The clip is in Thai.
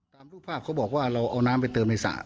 รูปภาพเขาบอกว่าเราเอาน้ำไปเติมในสระ